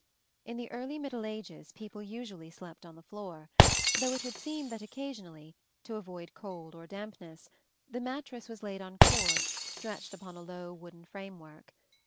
In the early middle ages people usually slept on the floor; though it would seem that occasionally, to avoid cold or dampness, the mattress was laid on cords stretched upon a low wooden framework.